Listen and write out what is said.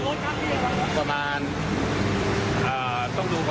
ประมาณต้องดูก่อนครับว่าสายเฟอร์เน็ตมันเมื่อไหร่